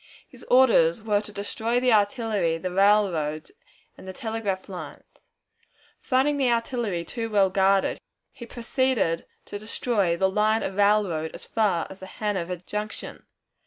His orders were to destroy the artillery, the railroads, and telegraph lines. Finding the artillery too well guarded, he proceeded to destroy the line of railroad as far as Hanover Junction.